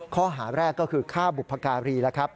ข้อหาแรกก็คือฆ่าบุพการี